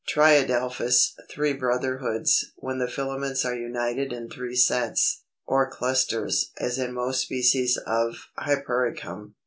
Triadelphous (three brotherhoods), when the filaments are united in three sets or clusters, as in most species of Hypericum.